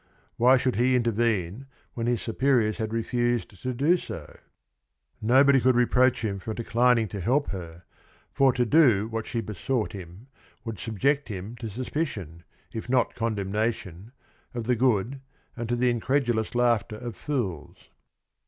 Why should he intervene when his superiors had refused to do so? Nobody could reproach him for declin ing to help her, wniie to do what she besought him would subject him to suspicion , lTnot con demnation of "the good and to the incredulous laughter of fools.